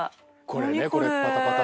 これねこれパタパタ。